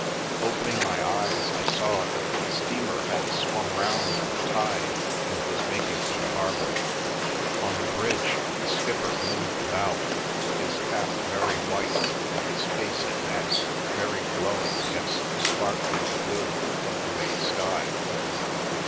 Opening my eyes I saw that the steamer had swung round on the tide and was making for 12 •••*••••••• r*~ General Cargo the harbour ; on the bridge the skipper moved about, his cap very white and his face and neck very glowing against the sparkling blue of the May sky.